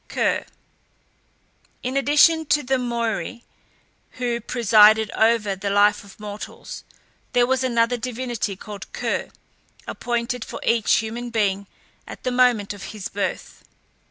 KER. In addition to the Moiræ, who presided over the life of mortals, there was another divinity, called Ker, appointed for each human being at the moment of his birth.